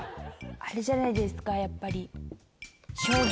あれじゃないですかやっぱり。